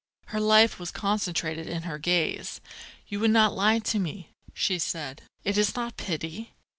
Her life was concentrated in her gaze. "You would not lie to me?" she said. "It is not pity?